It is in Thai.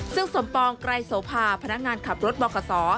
ซึ่งสมปองไกรโสภาพนักงานขับรถบข